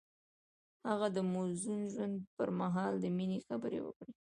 هغه د موزون ژوند پر مهال د مینې خبرې وکړې.